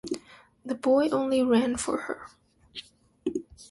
The boy only ran for her.